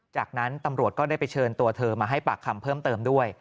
จากนั้นตำรวจก็ได้ไปเชิญตัวเธอมาให้ปากคำเพิ่มเติมด้วย